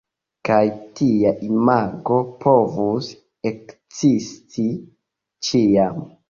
Kaj tia imago povus ekzisti ĉiam.